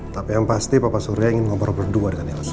tapi yang pasti papa surya ingin ngobrol berdua dengan elsa